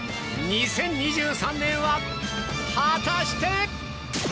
２０２３年は、果たして。